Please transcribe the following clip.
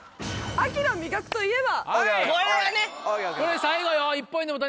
秋の味覚といえば？